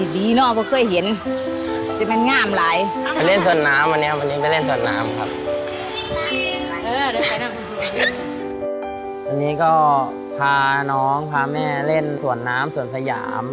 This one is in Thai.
อันนี้ก็พาน้องพาแม่เล่นสวนน้ำสวนสยาม